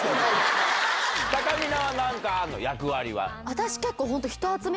私結構。